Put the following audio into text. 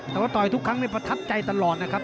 แต่ว่าต่อยทุกครั้งประทับใจตลอดนะครับ